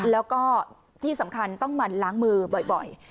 และที่สำคัญต้องมาล้างมือบ่อย